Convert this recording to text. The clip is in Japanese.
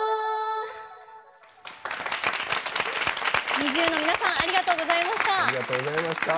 ＮｉｚｉＵの皆さんありがとうございました。